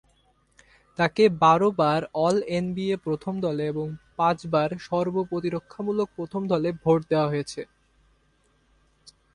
তাকে বারো বার অল-এনবিএ প্রথম দলে এবং পাঁচবার সর্ব-প্রতিরক্ষামূলক প্রথম দলে ভোট দেওয়া হয়েছে।